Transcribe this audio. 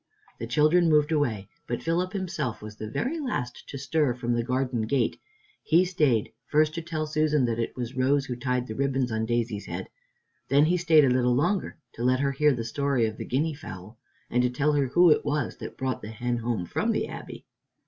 The children moved away, but Philip himself was the very last to stir from the garden gate. He stayed, first, to tell Susan that it was Rose who tied the ribbons on Daisy's head. Then he stayed a little longer to let her hear the story of the guinea fowl, and to tell her who it was that brought the hen home from the Abbey.